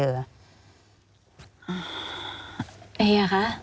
เอเฮียคะ